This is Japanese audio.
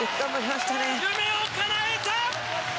夢をかなえた！